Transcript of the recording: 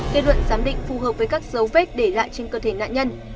kết luận giám định phù hợp với các dấu vết để lại trên cơ thể nạn nhân